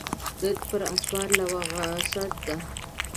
نن پر اسمان لمرغسن ده